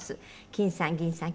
きんさん・ぎんさん